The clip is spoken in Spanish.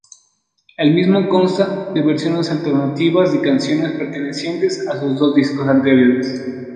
El mismo consta de versiones alternativas de canciones pertenecientes a sus dos discos anteriores.